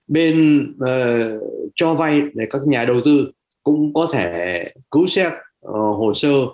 bên cho vay thì các nhà đầu tư cũng có thể cứu xét hồ sơ